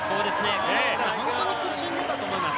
昨日から本当に苦しんでいたと思います。